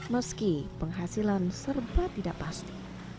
meski penghasilan serba tidak pasti